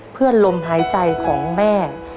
เพื่อลมหายใจของแม่